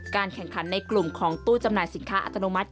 แข่งขันในกลุ่มของตู้จำหน่ายสินค้าอัตโนมัติ